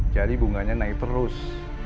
jadi bunganya naik terus